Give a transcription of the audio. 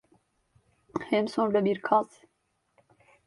Hem sonra bir kaz…